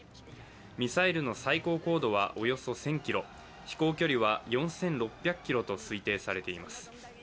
ミサイルの最高高度はおよそ１０００ｋｍ飛行距離は４６００ｋｍと推定されています。